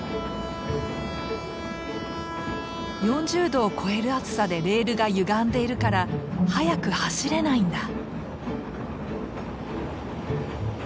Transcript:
４０度を超える暑さでレールがゆがんでいるから速く走れないんだ。